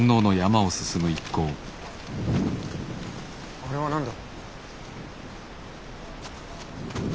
あれは何だ？